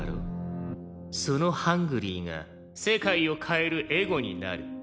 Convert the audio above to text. そのハングリーが世界を変えるエゴになる。